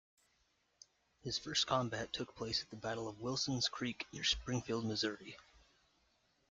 His first combat took place at the Battle of Wilson's Creek near Springfield, Missouri.